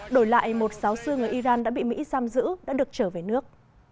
đổi lại một giáo sư người iran đã bị mỹ giam giữ đã được trở về nước